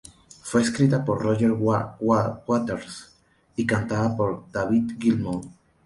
Fue escrita por Roger Waters y cantada por David Gilmour.